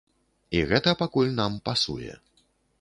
І гэта пакуль нам пасуе.